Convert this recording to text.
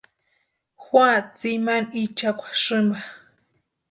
Jua tsimani ichakwa sïmpa.